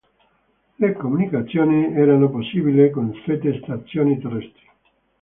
Le comunicazioni erano possibili con sette stazioni terrestri.